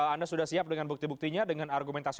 anda sudah siap dengan bukti buktinya dengan argumentasi